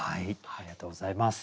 ありがとうございます。